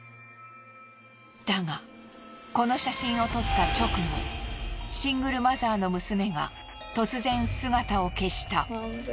だがこの写真を撮った直後シングルマザーの娘が突然姿を消した。